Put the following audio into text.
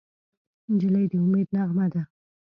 نجلۍ د امید نغمه ده.